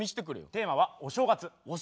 テーマは「お正月」。